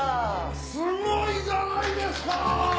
すごいじゃないですか！